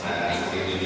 mas pak junaidah